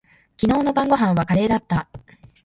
昨日の晩御飯はカレーだった。